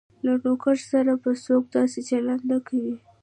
له نوکر سره به څوک داسې چلند نه کوي.